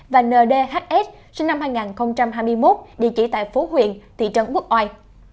và n d h s sinh năm hai nghìn hai mươi một địa chỉ tại phố huyện thị trấn quốc oai